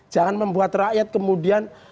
jangan membuat rakyat kemudian